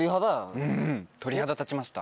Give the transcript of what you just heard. うん鳥肌立ちました。